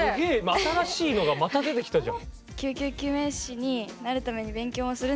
新しいのがまた出てきたじゃん。